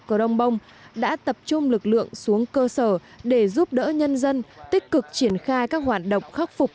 crong bông đã tập trung lực lượng xuống cơ sở để giúp đỡ nhân dân tích cực triển khai các hoạt động khắc phục